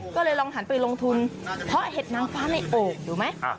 ก็เลยลองหันไปลงทุนเพราะเห็ดนางฟ้าในโอ่งดูไหม